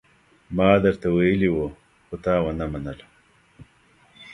ما درته ويلي وو، خو تا ونه منله.